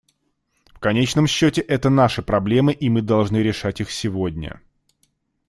В конечном счете, это наши проблемы и мы должны решать их сегодня.